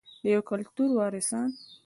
د یو کلتور وارثان.